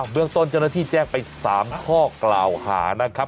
เรื่องต้นเจ้าหน้าที่แจ้งไป๓ข้อกล่าวหานะครับ